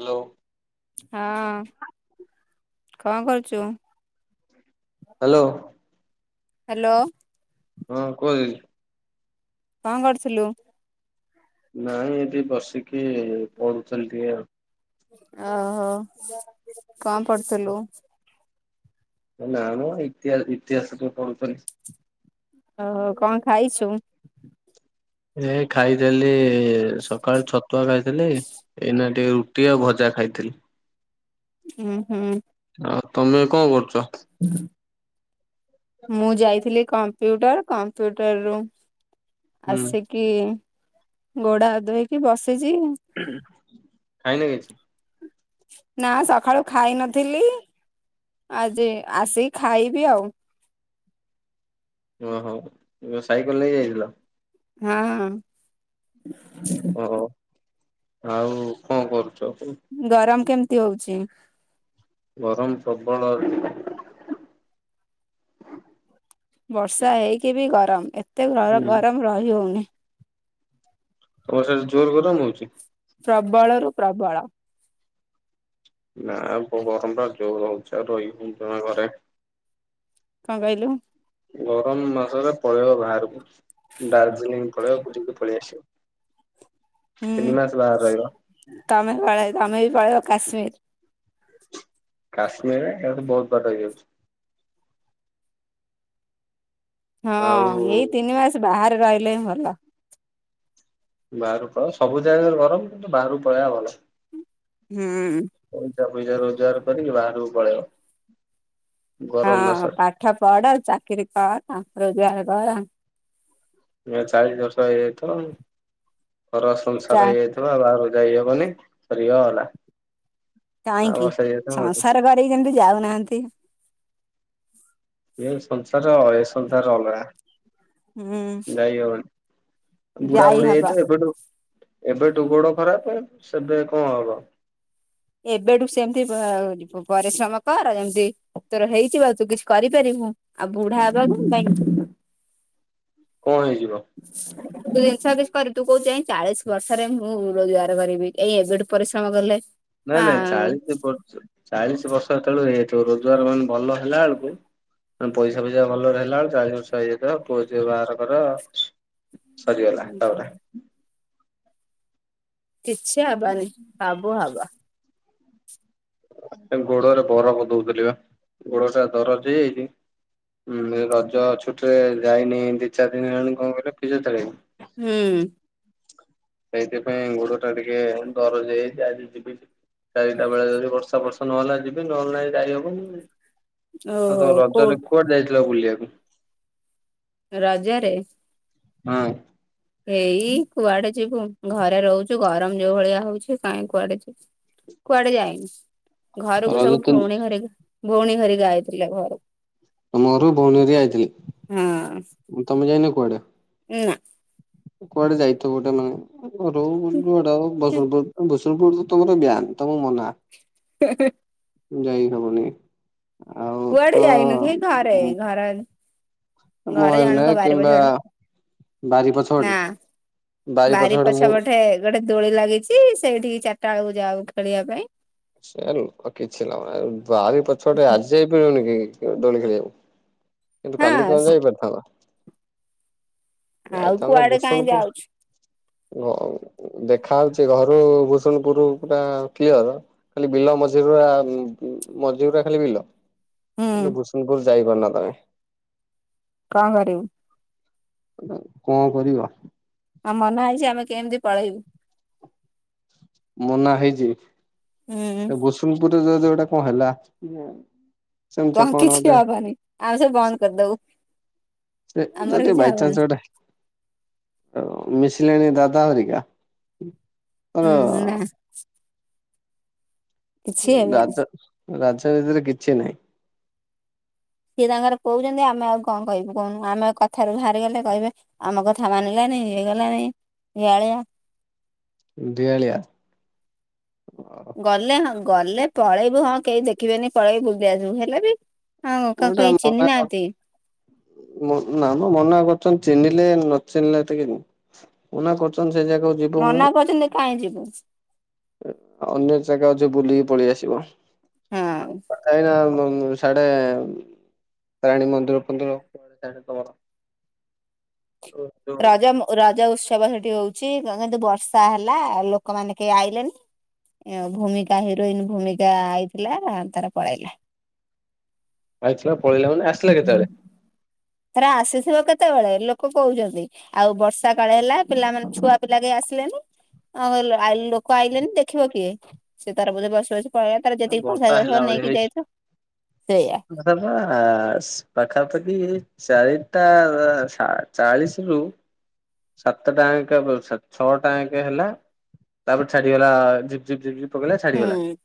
Hello. ହଁ କଁ କରୁଚୁ? ହାଲୋ। ହାଲୋ। ହଁ କୁହ ଦିଦି? କଁ କରୁଥୁଲୁ? ନାଇଁ ଏଇଠି ବସିକି ପଢୁଥିଲି ଟିକେ ଆଉ। ଓହୋ କଁ ପଢୁଥୁଲୁ। ଏ ନାଁ ମ ଇତିଆ ଇତିହାସ ଟିକେ ପଢ଼ୁଥିଲି। ଓହୋ କଣ ଖାଇଚୁ? ଏ ଖାଇଥେଲି ସକାଳେ ଛତୁଆ ଖାଇଥିଲି ଏଇନା ଟିକେ ରୁଟି ଆଉ ଭଜା ଖାଇଥିଲି। ଉୁଁ ହୁଁ। ଆଉ ତମେ କଁ କରୁଚ? [inaudible] ମୁଁ ଯାଇଥିଲି କମ୍ପ୍ୟୁଟର କମ୍ପ୍ୟୁଟର ରୁ ହୁଁ ଆସିକି ଗୋଡାହାତ ଧୋଇକି ବସିଚି। [unintelligible] ଖାଇଲେ କିଛି। ନାଁ ସଖାଳୁ ଖାଇ ନଥିଲି ଆଜି ଆସିକି ଖାଇବି ଆଉ। ଓହୋ ଏବେ ସାଇକଲ ନେଇ ଯାଇଥିଲ। ହଁ ହଁ [inaudible] ଓହ ଆଉ କଣ କରୁଚ? ଗରମ କେମିତି ହଉଚି? ଗରମ ପ୍ରବଳ ହଉଚି। ବର୍ଷା ହେଇକି ବି ଗରମ ଏତେ ଗର ହୁଁ। ଗରମ ରହି ହଉନି। ହଁ ସାର ଜୋର ଗରମ ହଉଛି। ପ୍ରବଳରୁ ପ୍ରବଳ। ନାଁ ଗରମଟା ଜୋର ହଉଚି ଆଉ ରଇ ହଉନି ଜମା ଘରେ। କଁ କଇଲୁ? ଗରମ ମାସରେ ପଳେଇବ ଭାଆରକୁ ଡାର୍ଜିଲିଂ ପଳେଇବା ବୁଲିକି ପଳେଇ ଆସିବ। ହୁଁ ତିନି ମାସ ବାହାରେ ରହିବ ତମେ ପଳେଇବ ତମେ ବି ପଳେଇବ କାଶ୍ମୀର। କାଶ୍ମୀର ଏଇଠୁ ବହୁତ ବାଟ ହେଇଯାଉଛି। ଆଉ ହଁ ଏଇ ତିନି ମାସ ବାହାରେ ରହିଲେ ହିଁ ଭଲ। ବାହାରୁକୁ ପଳେଇବା ସବୁ ଜାଗାରେ ଗରମ କିନ୍ତୁ ବାହାରୁକୁ ପଳେଇବା ଭଲ। ହୁଁ। ଟଙ୍କା ପଇସା ରୋଜଗାର କରିକି ବାହାରକୁ ପଳେଇବ ଗରମ ହଁ ମାସରେ। ପାଠ ପଢ ଚାକିରି କର ରୋଜଗାର କର ଏ ଚାଳିଶ ବର୍ଷ ହେଇଆଇଥିବ ଘର ଚା ସଂସାର ହେଇଆଇ ଥିବ ବାହାରକୁ ଯାଇହବନି ସରିଗଲା। ଆଉ କାଇଁକି ବର୍ଷା ହେଇଯାଇଥିବ। ସଂସାର କରିକି ଯେମିତି ଯାଉନାଆନ୍ତି। ଏ ସଂସାର ଏ ସଂସାର ଅଲଗା ହୁଁ। ଯାଇ ହବନି। ବୁଢା ଯାଇ ବୁଢି ହବ ହେଇଯାଇଥିବେ ଏବେଠୁ ଏବେଠୁ ଗୋଡ ଖରାପ ସେବେ କଣ ହବ। ଏବେଠୁ ସେମତି ପରିଶ୍ରମ କର ଯେମତି ତୋର ହେଇଛି ବା ତୁ କିଛି କରିପାରିବୁ ଆଉ ବୁଢା ହେବା କଣ ପାଇଁ ଯିବୁ କଅଁ ହେଇଯିବ। ଜିନିଷ କି କରି ତୁ କହୁଛୁ ଏଁ ଚାଳିଶ ବର୍ଷରେ ମୁଁ ରୋଜଗାର କରିବି ଏଇ ଏବେଠୁ ପରିଶ୍ରମ କଲେ। ନାଇଁ ଆ ନାଇଁ ଚାଳିଶ ବର୍ ଚାଳିଶ ବର୍ଷ ତେଳୁ ଏତୁ ରୋଜଗାର ମାନେ ଭଲ ହେଲା ବେଳକୁ ପଇସା ଫଇସା ଭଲରେ ହେଲା ବେଳେ ଚାଳିଶ ବର୍ଷ ହେଇଯାଇ ତ ପୁଅ ଝିଅ ବାହାଘର କର। ସରିଗଲା ତାପରେ କିଛି ହବନି ସବୁ ହବ। ଗୋଡରେ ବରଫ ଦଉଥିଲି ବା ଗୋଡ ଟା ଦରଜ ହେଇଯାଇଛି। ହୁଁ ରଜ ଛୁଟି ରେ ଯାଇନି ଦି ଚାରି ଦିନ ହେଲାଣି କଣ କହିଲ ପିଜଓ ଥେରାପୀ। ହୁଁ। ସେଇଥିପାଇଁ ଗୋଡ ଟା ଟିକେ ଦରଜ ହେଇଯାଇଛି ଆଜି ଯିବି। ଚାରିଟା ବେଳେ ଯଦି ବର୍ଷା ବର୍ଷା ନହେଲା ଯିବି ନହେଲା ନାହିଁ ଯାଇହବନି। ଓହୋ ତମ କୋଉ ରଜରେ କୁଆଡେ ଯାଇଥିଲ ବୁଲିବାକୁ? ରଜରେ ହୁଁ। ଏଇ କୁଆଡେ ଯିବୁ ଘରେ ରହୁଛୁ ଗରମ ଯୋଉ ଭଳିଆ ହଉଛି କାଇଁ କୁଆଡେ ଯିବୁ। କୁଆଡେ ଯାଇନୁ ଘରକୁ ରଜ ସବୁ ତିନି ଭଉଣୀ ଘରେ ଭଉଣୀ ଘରିକା ଆଇଥିଲେ ଘରକୁ। ତମ ଘରକୁ ଭଉଣୀ ହେରିକା ହଁ ଆଇଥିଲେ ତମେ ଯାଇନ କୁଆଡେ? ନା। କୁଆଡେ ଯାଇଥବୁ ଗୋଟେ ମାନେ ଘରୁ ଯୁଆଡେ ହଉ ବସୁରପୁର ଭୁ ପୁର୍ ତମର ବ୍ୟାନ ତମକୁ ମନା। [unintelligible] ଯାଇ ହବନି। ଆଉ ତ କୁଆଡେ ଯାଇନୁ ସେଇ ଘରେ ଘରେ ଘରେ ଜଣଙ୍କ ମହାବିନାୟକ ବାରି କିମ୍ବା ପଛପଟେ ବାରି ନା ପଛପଟେ ବାରି ପଛପଟେ ପଛ ମୁଁ ପଠେ ଗୋଟେ ଦୋଳି ଲାଗିଛି ସେଇଠିକି ଚାରିଟା ଏଳକୁ ଯାଉ ଖେଳିବା ପାଇଁ। ସେ ଲ କିଛି ଲାଭନାଇଁ ବାରି ପଛପଟେ ଆଜି ଯାଇପାରିବନି କାଇଁକି ଦୋଳି ଖେଳିବାପାଇଁ କିନ୍ତୁ କାଲି ହଁ କଣ ଯାଇପାରିଥାନ୍ତ? ଆଉ ଯାଇଥାନ୍ତ କୁଆଡେ କାହିଁ ଭୂଷଣ୍ଡପୁର ଯାଉଛୁ ଦେଖା ଆଉଛି ଘରୁ ଭୂଷଣ୍ଡପୁରୁ ଟା କ୍ଲିଅର। ଖାଲି ବିଲ ମଝି ଗୁରା ମଝି ଗୁରା ଖାଲି ବିଲ ହୁଁ କିନ୍ତୁ ଭୂଷଣ୍ଡପୁର ଯାଇପାରୁ ନା ତମେ। କଣ କରିବୁ। କଣ କରିବ। ଆମ ମନ ହେଇଛି ଆମେ କେମିତି ପଳେଇବୁ। ମନା ହେଇଛି ହୁଁ ସେ ଭୂସୁଣ୍ଡପୁରେ ଯଦି କଣ ଗୋଟେ ହେଲା ସେମିତି କଣ କିଛି ଗୋଟେ ହବନି ଆମ ସବୁ ବନ୍ଦ କରିଦବୁ। ସେ ଆମର ଯଦି କିଛି ହବନି। ବାଇଚାନ୍ସ ଗୋଟେ ଆ ମିଶିଲାଣି ଦାଦା ହରିକା? ତାର ହୁଁ ନା। କିଛି ହେବେନି ରାଜ ରାଜନୀତିରେ କିଛି ନାହିଁ। ସିଏ ତାଙ୍କର କହୁଛନ୍ତି ଆମେ ଆଉ କଣ କହିବୁ କହୁନୁ ଆମେ କଥାରୁ ବାହାରିଗଲେ କହିବେ ଆମ କଥା ମାନିଲାନି ଇଏକଲାନି ଡ଼ିହାଳିଆ। ଡିହାଲିଆ। ଗଲେ ହଁ ଗଲେ ପଳେଇବୁ ହଁ କେହି ଦେଖିବେନି ପଳେଇବୁ ବୁଲି ଆସିବୁ ହେଲେ ବି ହଁ ଗୋ ଗୋଟେ କକେଇ ଚିହ୍ନି ମନା ନାହାଁନ୍ତି। ନା ମ ମନା କରୁଛନ୍ତି ଚିହ୍ନିଲେ ନ ଚିହ୍ନିଲେ ଟିକେ ମନା କରୁଚନ୍ତି ସେ ଜାଗାକୁ ଯିବୁନି ମନା କରୁଛନ୍ତି କାହିଁ ଯିବୁ। ଅନ୍ୟ ଜାଗା ଅଛି ବୁଲିକି ପଳେଇ ଆସିବ ହଁ ଆ ଏଇନା ବ ମ ହାଡେ ରାଣୀ ମନ୍ଦିର ଫନ୍ଦିର ହିଆଡେ ଡମର ଓ [inaudible] ରଜ ମୋ ରଜ ଉତ୍ସବ ହେଠି ହଉଛି କିନ୍ତୁ ବର୍ଷା ହେଲା ଲୋକମାନେ କେହି ଆଇଲେନି ଭୂମିକା ହିରୋଇନ ଭୂମିକା ଆଇଥିଲା ତାର ପଳେଇଲା। ଆାଇଥିଲା ପଳେଇଲା ମାନେ ଆସିଲା କେତେବେଳେ? ହେରା ଆସିଥିବ କେତେବେଳେ ଲୋକ କହୁଛନ୍ତି। ଆଉ ବର୍ଷା କାଳେ ହେଲା ପିଲାମାନେ ଛୁଆ ପିଲା କେହି ଆସିଲେନି। ହଁ ଆଇ ଲୋକ ଆଇଲେନି ଦେଖିବ କିଏ ସେ ତାର ବୋଧେ ବସିବସି ପଳେଇଲା। ତାର ଯେତିକି ପଇସା ବର୍ଷା ପତ୍ର ହେଲା ସବୁ ନେଇକି ଯାଇଥିବ ସେଇଆା। ହେଟା ପା ପାଖାପାଖି ଚାରିଟା ସା ଚାଳିଶରୁ ସାତଟା ଆଙ୍କେ ଛଅଟା ଆଙ୍କେ ହେଲା ତାପରେ ଛାଡିଗଲା ଝିପି ଝିପି ଝିପି ଝିପି। ପକେଇଲା ଛାଡିଗଲା ହୁଁ।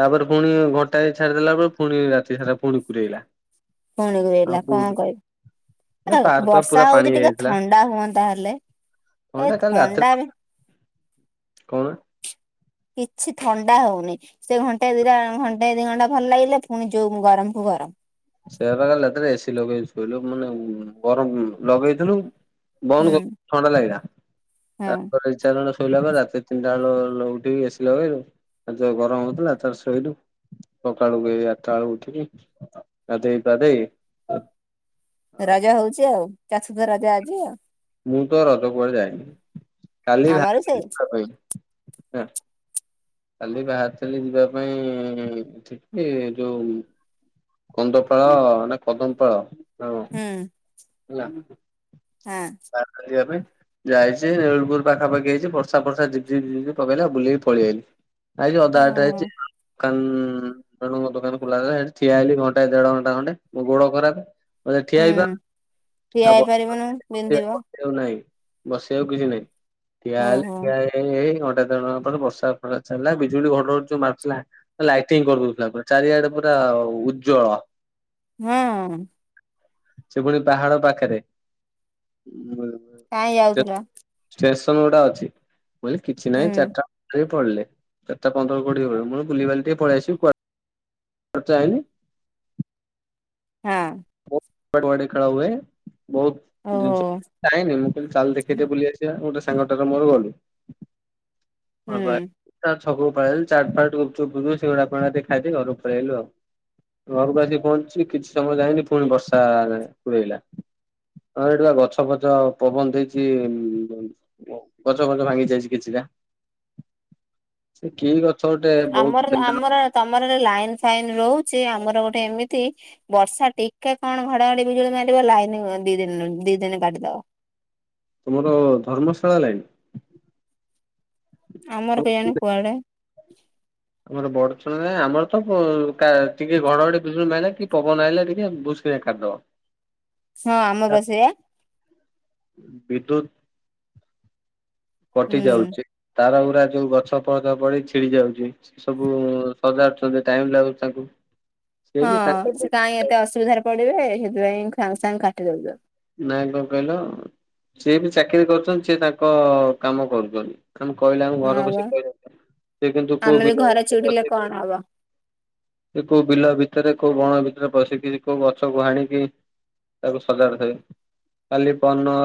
ତାପରେ ଫୁଣି ଘଣ୍ଟାଏ ଛାଡିଦେଲା ପରେ ଫୁଣି ରାତି ସାରା ପୁଣି ପୁରେଇଲା। ପୁଣି ଗୁରେଇଲା କଣ ଏ କହିବି ପାର୍କ ବା ପୁରା ବର୍ଷା ପାଣି ହଉଛି ଟିକେ ଥ ହେଇଯାଇଥିଲା ଥଣ୍ଡା ହୁଅନ୍ତା ହେଲେ କଣ ଏ ଟା କାଲି ଥଣ୍ଡା ରାତିରେ ବି କଣ? କିଛି ଥଣ୍ଡା ହଉନି। ସେ ଘଣ୍ଟେ ଦିଟା ଘଣ୍ଟେ ଦି ଘଣ୍ଟା ଭଲ ଲାଗିଲେ ପୁଣି ଯୋଉ ଗରମକୁୁ ଗରମ। ସେଇଆ ପାକାଲି ରାତିରେ ଏସି ଲଗେଇକି ଶୋଇଲୁ ମାନେ ଗରମ ଲଗେଇଥିଲୁ ବନ୍ଦ କଲୁ, ହୁଁ ଥଣ୍ଡା ଲାଗିଲା, ହଁ। ତାପରେ ଇଛା ହେଲାନି ଶୋଇଲା ପରେ, ରାତି ତିନିଟା ବେଳୁ ଉଠିକି ଏସି ଲଗେଇଲୁ, ଆଉ ଯେଉ ଗରମ ହେଉଥିଲା, ତାରେ ଶୋଇଲୁ। ସକାଳୁକୁ ଏଇ ଆଠଟା ବେଳକୁ ଉଠିକି, ଗାଧେଇ ପାଧେଇ ରଜ ହଉଛି ଆଉ, [unintelligible] ଆଜି ଆଉ। ମୁଁ ତ ରଜ କୁଆଡ ଯାଇନି, କାଲି ଆମର ବାହାରିଥିଲି ସେଇ ଯିବାପାଇଁ। କାଲି ବାହାରି ଥିଲି ଯିବା ପାଇଁ ଠିକି, ଯୋଉ କନ୍ଦପାଳ, ନା କଦମପାଳ? ହଁ। ହୁଁ। ହେଲା, ହଁ ତାପରେ ଯିବା ପାଇଁ। ଯାଇଛି, ରେଳପୁରୁ ପାଖାପାଖି ହେଇଛି, ବର୍ଷା ଫର୍ଷା ଝିପି ଝିପି ଝିପି ଝିପି ପକେଇଲା, ବୁଲେଇକି ପଳେଇ ଆଇଲି। ଆଇଚି, ଅଧା ହୁଁ ବାଟରେ ହେଇଚି, କନ୍ ତେଣୁ ମୋ ଦୋକାନ ଖୋଲାହେଲେ, ହେଠି ଠିଆ ହେଲି ଘଣ୍ଟା ଦେଢ ଘଣ୍ଟା ଖଣ୍ଡେ, ମୋ ଗୋଡ ଖରାପ, ଠିଆ ହୁଁ। ହେଇବା ଠିଆ ହେଇପାରିବୁନୁ, ବିନ୍ଧିବ। ଉ ନାଇଁ, ବସିଆକୁ କିଛି ନାହିଁ, ଠିଆ ହେଲେ, ଓହୋ ଠିଆ ହେ ଏ ଏଇ ଘଣ୍ଟେ ଦେଢ଼ ଘଣ୍ଟା ପରେ ବର୍ଷା ପୁରା ଛାଡିଲା, ବିଜୁଳି ଘଡଘଡ଼ି ଯୋଉ ମାରୁଥିଲା। ଲାଇଟିଂ କରିଦଉଥିଲା ପୁରା, ଚାରିଆଡେ ପୁରା ଉଜ୍ଜଳ। ହୁଁ ଉଁ। ସେ ପୁଣି ପାହାଡ ପାଖରେ। କାଇଁଁ ଯାଉଥିଲ? ଷ୍ଟେସନ ଗୁଡା ଅଛି, ମୁଁ କହିଲି କିଛି ହୁଁ ନାହିଁ, ଚାରିଟା କୋଡିଏ ପଳିଲେ, ଚାରିଟା ପନ୍ଦର କୋଡିଏ ବେଳୁ, ମୁଁ ବୁଲିବାଲି ଟିକେ ପଳେଇ ଆସିବି, କୁଆ [unintelligible] ହଁ ଅଁ। [unintelligible] ବାଡ଼ି ଖେଳ ହୁଏ, ବହୁତ ଓହୋ ଜିନିଷ, ମୁଁ ଯାଇନି, ମୁଁ କହିଲି ଚାଲ ଦେଖେ ବୁଲି ଆସି ବୁଲିଆସିବା, ଗୋଟେ ସାଙ୍ଗଟାରେ ମୋର ଗଲୁ, ହ ଭା ହୁଁ ତା ଛକୁକୁ ପଳେଇ ଆଇଲି, ଚାଟଫାଟ, ଗୁପୁଚୁୁପ ଫୁପଚୁପ ସେଗୁଡା [unintelligible] ଖାଇଦି ଘରକୁ ପଳେଇଆଇଲୁ ଆଉ। ଘରକୁ ଆସିିକି ପହଞ୍ଚୁଛିି, କିଛି ସମୟ ଯାଇନି, ପୁଣି ବର୍ଷା କୁରେଇଲା। ହଁ, ହେଠି ବା ଗଛ ଫଛ ପବନ ଦେଇଛିି [unintelligible] ଓ, ଗଛ ଫଛ ଭାଙ୍ଗି ଯାଇଛି କିଛିଟା। [unintelligible] ସେ କି ଗଛ ଗୋଟେ, ଆମର ବହୁତ ଡେଙ୍ଗା ଆମର ତମର ହେଲେ ଲାଇନ ଫାଇନ ରହୁଚି, ଆମର ଗୋଟେ ଏମିତି ବର୍ଷା ଟିକେ କଣ ଘଡଘଡି ବିଜୁଳି ମାରିବ, ଲାଇନ ଦି ଦିନି, ଦି ଦିନି କାଟିଦବ। ତୁମର ଧର୍ମଶାଳା ଲାଇନ? ଆମର କେଇଆଣି କୁଆଡେ? ଆମର ବଡଚଣା ରେ, ଆମର ତ ଟିକେ ଘଡଘଡି ବିଜୁଳି ମାଇଲା କି, ପବନ ଆଇଲେ ଟିକେ, ଭୁସ ସେୟା ଖାଦ ହଁ, ଆମ ପା ସେଇଆ। ବିଦ୍ୟୁତ୍, କଟି ହୁଁ ଯାଉଚି। ତାର ଗୁରା ଯୋଉ, ଗଛ ପଛ ପଡି ଛିଡି ଯାଉଚି। ସବୁ ସଜାଡୁଛନ୍ତି, ଟାଇମ ଲାଗୁଛି ତାଙ୍କୁ। ସିଏ ବି ହଁ, ତାଙ୍କ ସେ କାଇଁ ଏତେ ଅସୁବିଧାରେ ପଡିବେ, ହେଇଥି ପାଇଁ ସାଙ୍ଗେ ସାଙ୍ଗେ କାଟି ଦଉଚ ନାଇଁ, କଣ କହିଲ? ସିଏ ବି ଚାକିରି କରୁଚନ୍ତି, ସିଏ ତାଙ୍କ କାମ କରୁଚନ୍ତି। ଆମକୁ କହିଲେ ଆମ ଘର ହଁ ବା ବସି କହି ଦଉଚନ୍ତି, ସେ କିନ୍ତୁ କୋଉ ଆମେ ବି ପିଲା ଘରେ ଚିଡିଲେ କଣ ହବ? ସେ କୋଉ ବିଲ ଭିତରେ କୋଉ ବଣ ଭିତରେ ବସିକି କୋଉ ଗଛକୁ ହାଣିକି ତାକୁ ସଜାଡିଦେବେ କାଲି ପଅନ।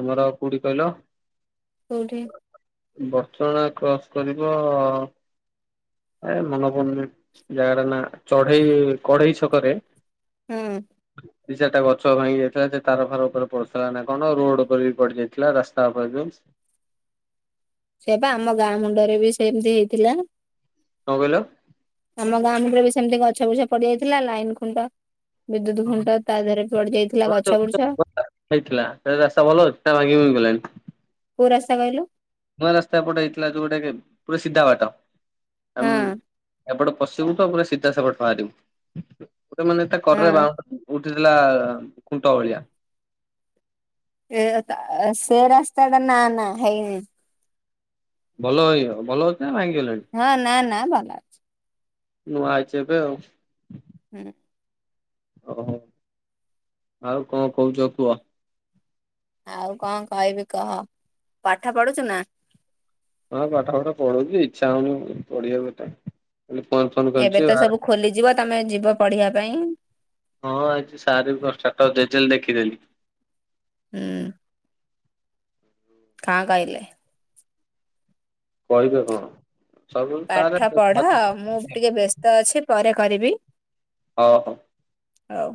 ଆମର କୋଠି କହିଲ? କୋଉଠି? ବଡଚଣା କ୍ରସ୍ କରିବ ଏ ମନ ପଡୁନେହିଁ ଜାଗଟା ନା ଚଢେଇ କଢେଇ ଛକରେ। ହୁଁ। ଦିଚାରିଟା ଗଛ ଭାଙ୍ଗି ଯାଇଥିଲା ସେ ତାର ଫାର ଉପରେ ପଡ଼ିଥିଲା ନା କଣ ରୋଡ ଉପରେ ବି ପଡି ଯାଇଥିଲା ରାସ୍ତା ଉପରେ ବିନିସ୍ ସେ ପା ଆମ ଗାଁ ମୁଣ୍ଡରେ ବି ସେମିତି ହେଇଥିଲା। କଣ କହିଲ? ଆମ ଗାଁମୁଣ୍ଡ ରେ ବି ସେମିତି ଗଛ ଗୁଛା ପଡି ଯାଇଥିଲା ଲାଇନ ଖୁଣ୍ଟ ବିଦ୍ୟୁତ ଫୁଣ୍ଟ ତା ଦେହରେ ପଡି ଯାଇଥିଲା ଗଛ ବୁଛ। ହେଇଥିଲା ଏବେ ରାସ୍ତା ଭଲ ଅଛି ନା ଭାଙ୍ଗି ଭୁଙ୍ଗି ଗଲାଣି? କୋଉ ରାସ୍ତା କହିଲୁ? ନୂଆ ରାସ୍ତା ଏପଟେ ହେଇଥିଲା ଯୋଉ ଟାକି ପୁରା ସିଧା ବାଟ ଆମୁ ହଁ ଏପଟେ ପଶିବୁ ତ ପୁରା ସିଧା ସେପଟ ବାହାରିବୁ ଗୋଟେ ମାନେ ତା ହଁ କରରେ ବାଉଁ ଉଠିଥିଲା ଖୁଣ୍ଟ ଭଳିଆ। ଏ ସେରାସ୍ତାଟା ନା ନା ହେଇନି। ଭଲ ହେଇ ଭଲ ଅଛି ନା ଭାଙ୍ଗିଗଲାଣି? ହଁ ନା ନା ଭଲ ଅଛି। ନୂଆ ହେଇଚି ଏବେ ଆଉ। [inaudible] ଓହୋ ଆଉ କଣ କହୁଚ କୁହ? ଆଉ କଣ କହିବି କହ ପାଠ ପଢୁଛୁ ନା? ହଁ ପାଠ ପାଠ ପଢୁଚି ଇଚ୍ଛା ହଉନି ପଢିବା ହେଟା। ଏବେ ତ ସବୁ ଖୋଲିଯିବ ତମେ ଯିବ ପଢିବା ପାଇଁ। ହଁ ଆଜି ସାରେ ଦଶଟା ତ ଦେଇଥିଲେ ଲେଖିଦେଲି। ଏଁ। କାଁ କହିଲଲେ? କହିବେ କଣ ସବୁ ସାରେ ପାଠ ହଉ ପଢ ମୁଁ ଟିକେ ବ୍ୟସ୍ତ ଅଛି ପରେ କରିବି। ହଉ ହଉ। ହଉ।